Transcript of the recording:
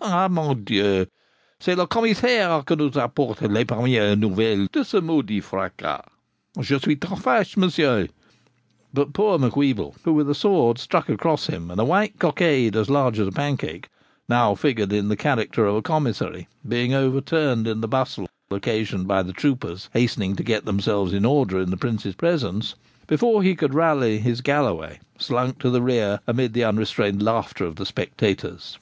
Ah, mon Dieu! c'est le Commissaire qui nous a apporte les premieres nouvelles de ce maudit fracas. Je suis trop fache, Monsieur!' But poor Macwheeble, who, with a sword stuck across him, and a white cockade as large as a pancake, now figured in the character of a commissary, being overturned in the bustle occasioned by the troopers hastening to get themselves in order in the Prince's presence, before he could rally his galloway, slunk to the rear amid the unrestrained laughter of the spectators.